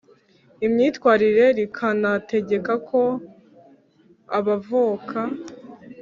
Imyitwarire, rikanategeka ko Abavoka